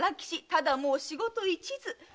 ただもう仕事一途。